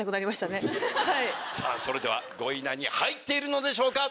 それでは５位以内に入っているのでしょうか？